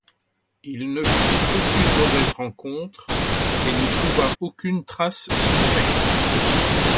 Il ne fit aucune mauvaise rencontre et ne trouva aucune trace suspecte